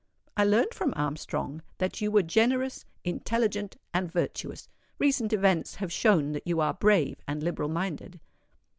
I learnt from Armstrong that you were generous, intelligent, and virtuous: recent events have shown that you are brave and liberal minded."